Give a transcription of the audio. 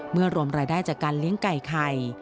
รวมรายได้จากการเลี้ยงไก่ไข่